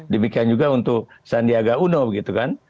demikian juga untuk sandiaga uno gitu kan